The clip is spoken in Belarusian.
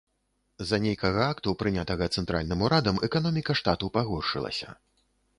З-за нейкага акту, прынятага цэнтральным урадам, эканоміка штату пагоршылася.